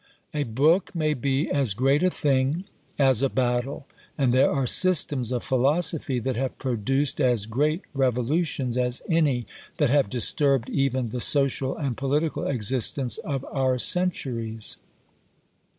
A Book may be as great a thing as a battle, and there are systems of philosophy that have produced as great revolutions as any that have disturbed even the social and political existence of our centuries.